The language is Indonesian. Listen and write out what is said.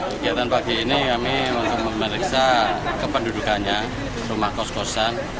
kegiatan pagi ini kami untuk memeriksa kependudukannya rumah kos kosan